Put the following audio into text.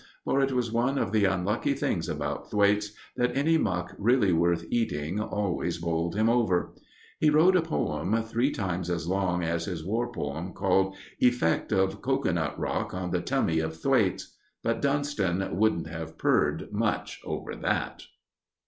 For it was one of the unlucky things about Thwaites that any muck really worth eating always bowled him over. He wrote a poem three times as long as his War poem, called "Effect of Cocoanut Rock on the Tummy of Thwaites"; but Dunston wouldn't have purred much over that.